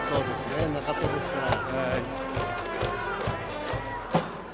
なかったですから。